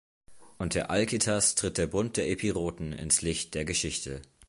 Unter Alketas tritt der Bund der Epiroten ins Licht der Geschichte.